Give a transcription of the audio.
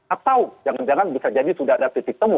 atau jangan jangan bisa jadi sudah ada titik temu